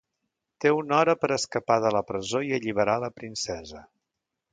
Té una hora per a escapar de la presó i alliberar a la princesa.